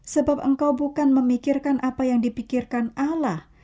sebab engkau bukan memikirkan apa yang dipikirkan ala